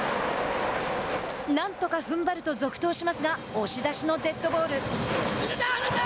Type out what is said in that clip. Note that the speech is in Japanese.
「なんとかふんばる」と続投しますが押し出しのデッドボール。